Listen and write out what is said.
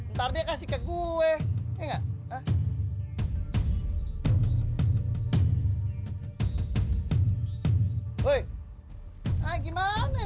ntar dia kasih ke gue